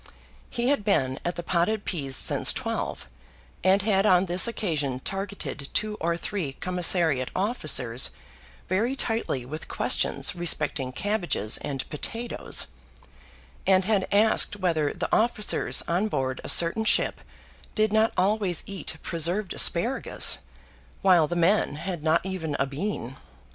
He had been at the potted peas since twelve, and had on this occasion targed two or three commissariat officers very tightly with questions respecting cabbages and potatoes, and had asked whether the officers on board a certain ship did not always eat preserved asparagus while the men had not even a bean.